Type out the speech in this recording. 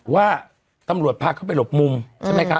ว่าตำรวจพาเขาไปหลบมุมใช่ไหมคะ